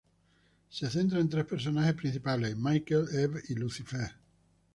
Se centra en tres personajes principales, Michael, Eve y Lucifer.